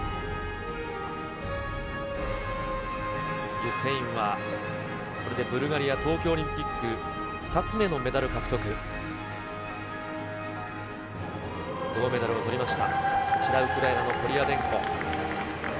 ユセインはこれでブルガリア、東京オリンピック、２つ目の銅メダルをとりました、こちら、ウクライナのコリアデンコ。